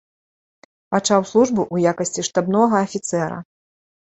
Пачаў службу ў якасці штабнога афіцэра.